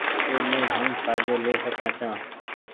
اي مين هم ڦآئدو لي سڪآن ڇآن۔